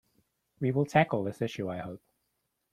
We will tackle this issue, I hope.